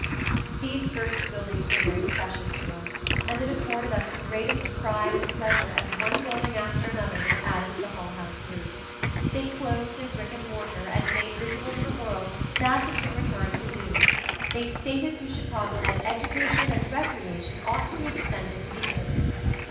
These first buildings were very precious to us and it afforded us the greatest pride and pleasure as one building after another was added to the Hull House group. They clothed in brick and mortar and made visible to the world that which we were trying to do; they stated to Chicago that education and recreation ought to be extended to the immigrants.